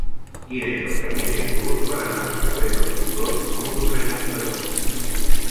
Quin és el camí més curt per anar al carrer dels Motors número seixanta-dos?